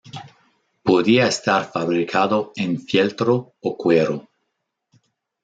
Podía estar fabricado en fieltro o cuero.